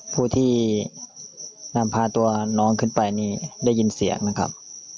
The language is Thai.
ผู้ที่นำพาตัวน้องขึ้นไปนี่ได้ยินเสียงนะครับ